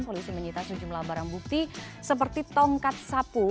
polisi menyita sejumlah barang bukti seperti tongkat sapu